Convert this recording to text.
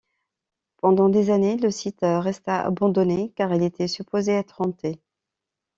Pendant des années le site resta abandonné car il était supposé être hanté.